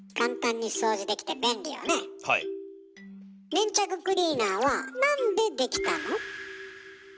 粘着クリーナーはなんでできたの？